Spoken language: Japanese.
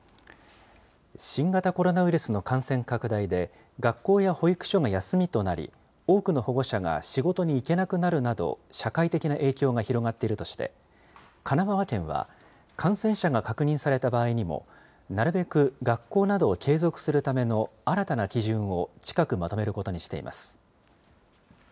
新型コロナウイルスの感染拡大で学校や保育所が休みとなり、多くの保護者が仕事に行けなくなるなど社会的な影響が広がっているとして、神奈川県は感染者が確認された場合にも、なるべく、学校などを継続するための、新たな基準を近く、まとめることにしています。